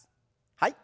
はい。